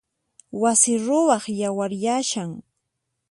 Wasi ruwaq yawaryashan.